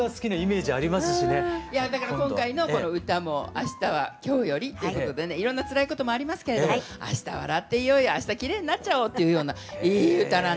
だから今回のこの歌も「明日は今日より」っていうことでねいろんなつらいこともありますけれども明日笑っていようや明日きれいになっちゃおうっていうようないい歌なんですよ。